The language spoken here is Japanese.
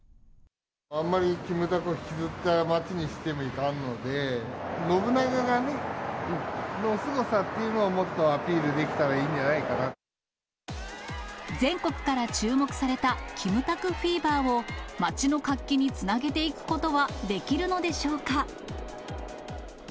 あんまりキムタクを引きずった街にしてもいかんので、信長のすごさっていうものをもっとアピールできたらいいんじゃな全国から注目されたキムタクフィーバーを、街の活気につなげていくことはできるのでしょうか。